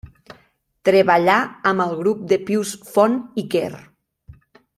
Treballà amb el grup de Pius Font i Quer.